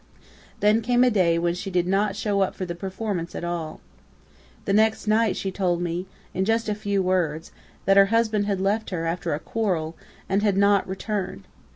Then came a day when she did not show up for the performance at all. The next night she told me in just a few words, that her husband had left her, after a quarrel, and had not returned.